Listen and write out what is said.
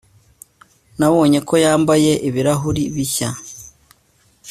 nabonye ko yambaye ibirahuri bishya